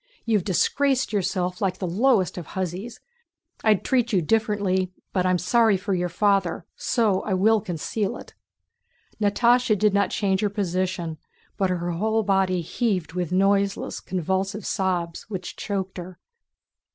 You've disgraced yourself like the lowest of hussies. I'd treat you differently, but I'm sorry for your father, so I will conceal it." Natásha did not change her position, but her whole body heaved with noiseless, convulsive sobs which choked her.